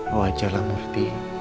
oh wajarlah murti